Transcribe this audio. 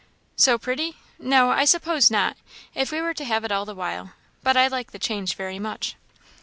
"So pretty! No, I suppose not, if we were to have it all the while; but I like the change very much."